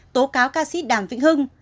tố cáo ca sĩ đàm vĩnh hưng